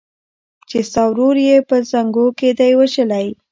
چي ستا ورور یې په زانګو کي دی وژلی